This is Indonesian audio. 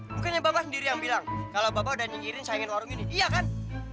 bukannya bapak sendiri yang bilang kalau bapak udah nyingkirin saingan warung ini iya kan